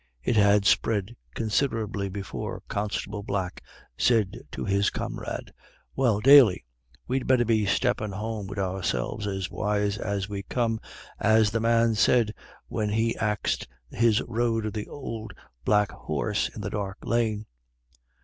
It had spread considerably before Constable Black said to his comrade: "Well, Daly, we'd better be steppin' home wid ourselves as wise as we come, as the man said when he'd axed his road of the ould black horse in the dark lane.